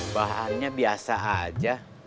bahannya biasa aja